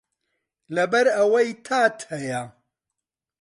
لەبەر ئەوەی تات هەیە